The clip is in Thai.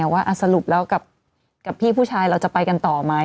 ว่าสรุปแล้วกับพี่ผู้ชายเราจะไปกันต่อไหม